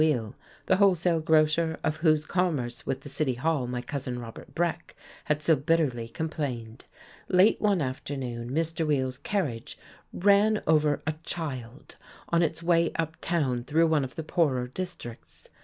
Weill, the wholesale grocer of whose commerce with the City Hall my Cousin Robert Breck had so bitterly complained. Late one afternoon Mr. Weill's carriage ran over a child on its way up town through one of the poorer districts.